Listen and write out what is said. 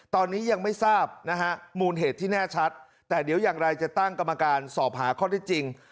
ตอนนี้ยังไม่ทราบนะฮะมูลเหตุที่แน่ชัดแต่เดี๋ยวอย่างไรจะตั้งกรรมการสอบหาข้อได้จริง